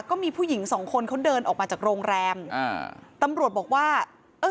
ก็มีผู้หญิงสองคนเขาเดินออกมาจากโรงแรมอ่าตำรวจบอกว่าเออ